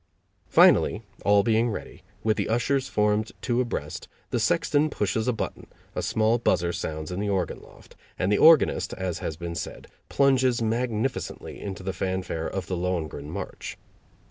Finally, all being ready, with the ushers formed two abreast, the sexton pushes a button, a small buzzer sounds in the organ loft, and the organist, as has been said, plunges magnificently into the fanfare of the "Lohengrin" march.